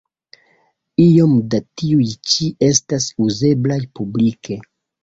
Iom da tiuj ĉi estas uzeblaj publike.